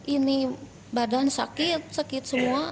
ini badan sakit sakit semua